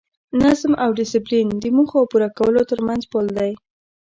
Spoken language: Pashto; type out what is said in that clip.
نظم او ډیسپلین د موخو او پوره کولو ترمنځ پل دی.